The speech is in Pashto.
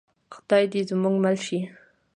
خدای دې زموږ مل شي؟